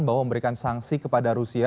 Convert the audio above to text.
bahwa memberikan sanksi kepada rusia